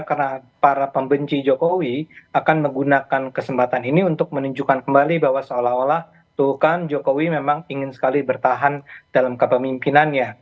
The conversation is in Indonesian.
karena para pembenci jokowi akan menggunakan kesempatan ini untuk menunjukkan kembali bahwa seolah olah tuh kan jokowi memang ingin sekali bertahan dalam kepemimpinannya